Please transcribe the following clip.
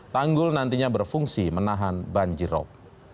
tanggul nantinya berfungsi menahan banjir rok